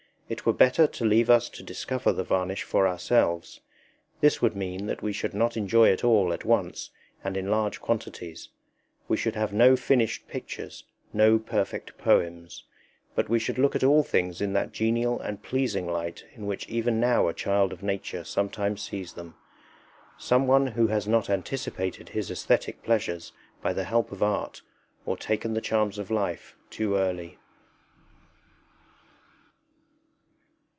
It were better to leave us to discover the varnish for ourselves. This would mean that we should not enjoy it all at once and in large quantities; we should have no finished pictures, no perfect poems; but we should look at all things in that genial and pleasing light in which even now a child of Nature sometimes sees them some one who has not anticipated his aesthetic pleasures by the help of art, or taken the charms of life too early.